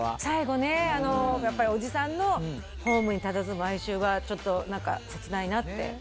最後ねやっぱりおじさんのホームにたたずむ哀愁はちょっと何か切ないなって。